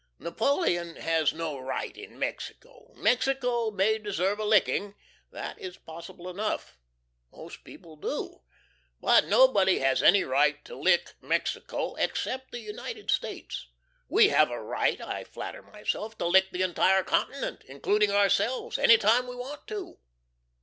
Napoleon has no right in Mexico. Mexico may deserve a licking. That is possible enough. Most people do. But nobody has any right to lick Mexico except the United States. We have a right, I flatter myself, to lick this entire continent, including ourselves, any time we want to.